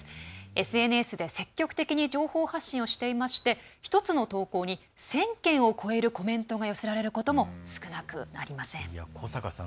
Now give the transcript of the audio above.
ＳＮＳで積極的に情報発信をしていまして１つの投稿に１０００件を超えるコメントが寄せられることも少なくありません。